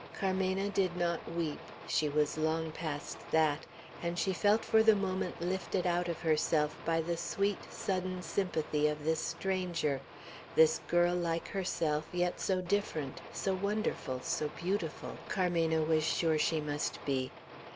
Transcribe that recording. Carmena did not weep. She was long past that; and she felt for the moment lifted out of herself by the sweet, sudden sympathy of this stranger, this girl like herself, yet so different, so wonderful, so beautiful, Carmena was sure she must be.